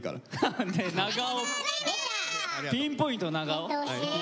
ピンポイント長尾。